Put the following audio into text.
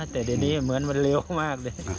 แต่เดี๋ยวนี้เหมือนมันเร็วมากเลย